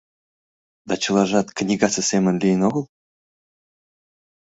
— Да чылажат книгасе семын лийын огыл?